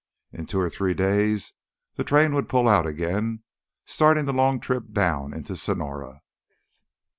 In two or three days the train would pull out again, starting the long trip down into Sonora.